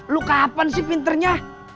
lo kapan sih pinternya